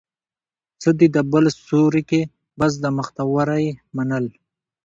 څه دي د بل سيوري کې، بس د مختورۍ منل